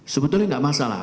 sebetulnya tidak masalah